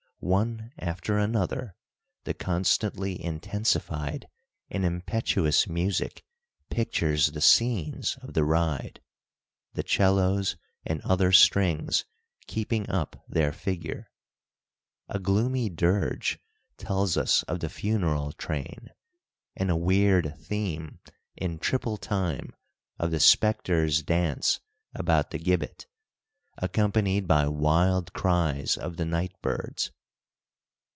One after another the constantly intensified and impetuous music pictures the scenes of the ride, the 'cellos and other strings keeping up their figure. A gloomy dirge tells us of the funeral train, and a weird theme in triple time of the spectres' dance about the gibbet, accompanied by wild cries of the night birds.